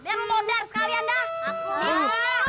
biar modar sekalian dah